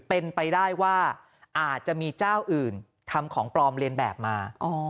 เป็นไปได้ว่าอาจจะมีเจ้าอื่นทำของปลอมเรียนแบบมา